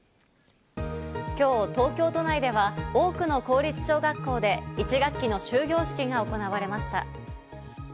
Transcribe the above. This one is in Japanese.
今日、東京都内では多くの公立小学校で１学期の終業式が行われました。